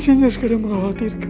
kondisinya sekarang mengkhawatirkan